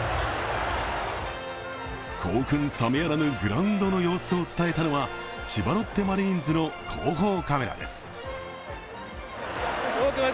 興奮冷めやらぬグラウンドの様子を伝えたのは千葉ロッテマリーンズの広報カメラです。